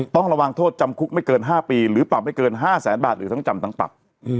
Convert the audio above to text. ต้องระวังโทษจำคุกไม่เกิน๕ปีหรือปรับไม่เกิน๕แสนบาทหรือทั้งจำทั้งปรับ